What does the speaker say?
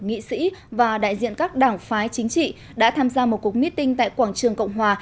nghị sĩ và đại diện các đảng phái chính trị đã tham gia một cuộc meeting tại quảng trường cộng hòa